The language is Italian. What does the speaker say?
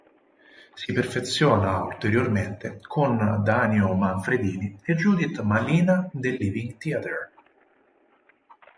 Si perfeziona ulteriormente con Danio Manfredini e Judith Malina del Living Theatre.